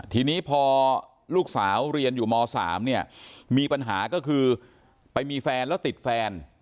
ทีนี้พอลูกสาวเรียนอยู่ม๓เนี่ยมีปัญหาก็คือไปมีแฟนแล้วติดแฟน